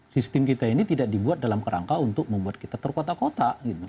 sistem kita ini tidak dibuat dalam kerangka untuk menjelaskan kepentingan kita